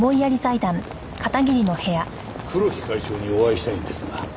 黒木会長にお会いしたいんですが。